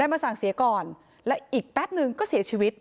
มาสั่งเสียก่อนและอีกแป๊บนึงก็เสียชีวิต